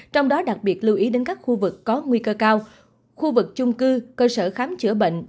trong đó đặc biệt lưu ý đến các khu vực có nguy cơ cao khu vực chung cư cơ sở khám chữa bệnh